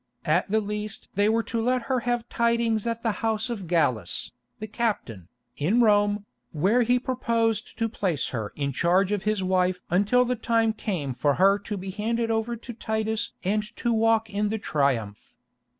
At the least they were to let her have tidings at the house of Gallus, the captain, in Rome, where he proposed to place her in charge of his wife until the time came for her to be handed over to Titus and to walk in the Triumph.